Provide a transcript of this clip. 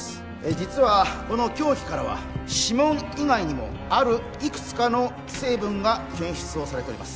実はこの凶器からは指紋以外にもあるいくつかの成分が検出をされております